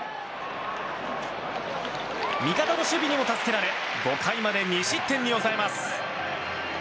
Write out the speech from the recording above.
味方の守備にも助けられ５回まで２失点に抑えます。